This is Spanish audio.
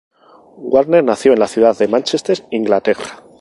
Warner nació en la ciudad de Mánchester, Inglaterra.